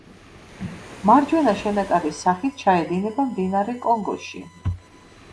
მარჯვენა შენაკადის სახით ჩაედინება მდინარე კონგოში.